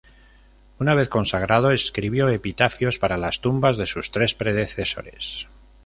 Una vez consagrado, escribió epitafios para las tumbas de sus tres predecesores.